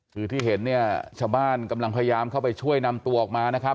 คือที่เห็นเนี่ยชาวบ้านกำลังพยายามเข้าไปช่วยนำตัวออกมานะครับ